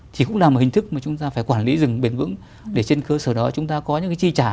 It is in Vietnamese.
thì cũng là một hình thức mà chúng ta phải quản lý rừng bền vững để trên cơ sở đó chúng ta có những cái chi trả